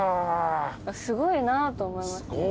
すごいなと思いますね。